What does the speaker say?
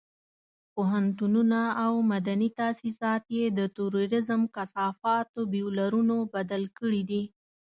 پوهنتونونه او مدني تاسيسات یې د تروريزم کثافاتو بيولرونو بدل کړي دي.